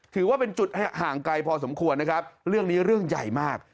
ถือว่าเป็นจุดห่างไกลพอสมควรนะครับเรื่องนี้เรื่องใหญ่มาก